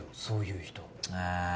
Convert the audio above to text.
そういう人ああ